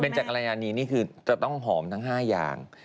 จักรยานนี้นี่คือจะต้องหอมทั้ง๕อย่าง